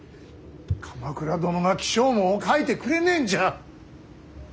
鎌倉殿が起請文を書いてくれねえんじゃ。